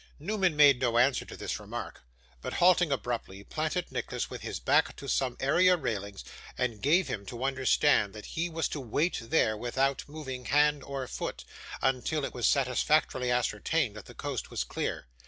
Newman made no answer to this remark, but, halting abruptly, planted Nicholas with his back to some area railings, and gave him to understand that he was to wait there, without moving hand or foot, until it was satisfactorily ascertained that the coast was clear.